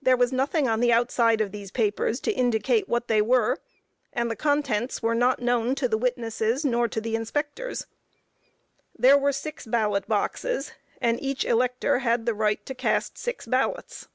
There was nothing on the outside of these papers to indicate what they were, and the contents were not known to the witnesses nor to the inspectors. There were six ballot boxes, and each elector had the right to cast six ballots.